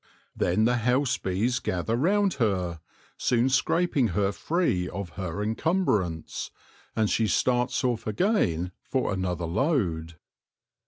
Then the house bees gather round her, soon scraping her free of her encumbrance, and she starts off again for another load.